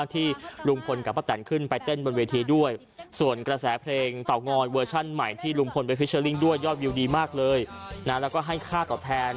ที่ลุงพลไปด้วยยอดวิวดีมากเลยน่ะแล้วก็ให้ค่าตอบแทน